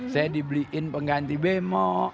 saya dibeliin pengganti bemo